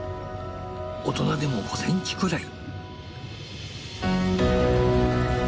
大人でも５センチくらい。